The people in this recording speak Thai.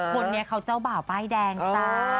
คนนี้เขาเจ้าบ่าวป้ายแดงจ้า